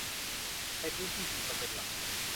ในพื้นที่ชุมชนเป็นหลัก